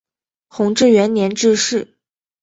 弘治元年致仕。